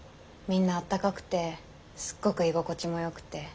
みんなあったかくてすっごく居心地もよくて。